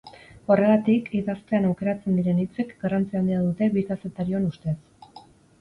Horregatik, idaztean aukeratzen diren hitzek garrantzi handia dute bi kazetarion ustez.